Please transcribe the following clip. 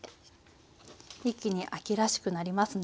一気に秋らしくなりますね。